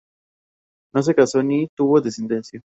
No se casó ni tuvo descendencia.